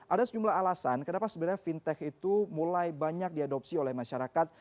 ada sejumlah alasan kenapa sebenarnya fintech itu mulai banyak diadopsi oleh masyarakat